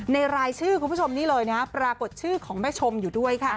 รายชื่อคุณผู้ชมนี่เลยนะปรากฏชื่อของแม่ชมอยู่ด้วยค่ะ